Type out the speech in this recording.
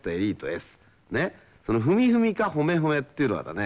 「ふみふみ」か「ほめほめ」っていうのはだね